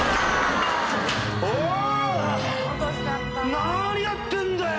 何やってんだよ。